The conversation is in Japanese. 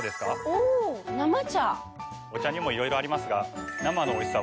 お茶にもいろいろありますが。